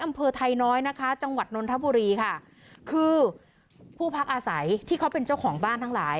อำเภอไทยน้อยนะคะจังหวัดนนทบุรีค่ะคือผู้พักอาศัยที่เขาเป็นเจ้าของบ้านทั้งหลาย